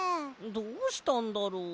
どうしたんだろう？